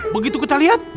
begitu kita lihat